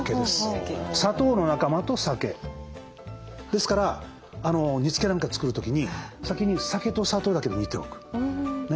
ですから煮つけなんか作る時に先に酒と砂糖だけで煮ておく。